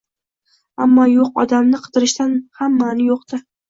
Ammo yo`q odamni qidirishdan ham ma`ni yo`q-da